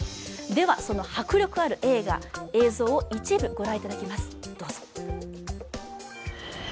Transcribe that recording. では、その迫力ある映画、映像を一部御覧いただきます。